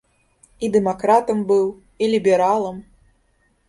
І дэмакратам быў, і лібералам!